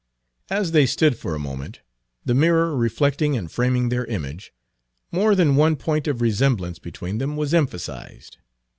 As they stood for a moment, the mirror reflecting and framing their image, more than one point of resemblance between them was emphasized.